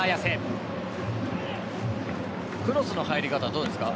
クロスの入り方どうですか？